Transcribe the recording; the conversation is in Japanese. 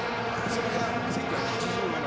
それが１９８５年。